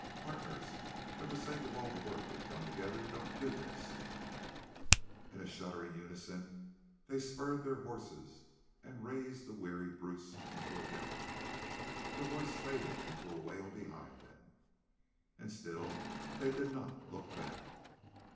"Partners, for the sake of all the work we've done together don't do this!" In a shuddering unison they spurred their horses and raised the weary brutes into a gallop; the voice faded into a wail behind them. And still they did not look back.